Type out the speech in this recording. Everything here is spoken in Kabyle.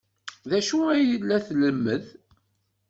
D acu ay la tlemmed?